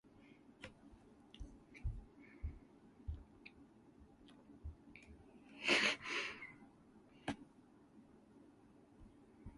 The show's first host was Canadian singer and record producer Jackie Rae.